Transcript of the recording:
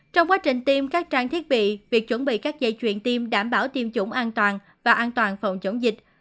trong quá trình tiêm các trang thiết bị việc chuẩn bị các dây chuyền tiêm đảm bảo tiêm chủng an toàn và an toàn phòng chống dịch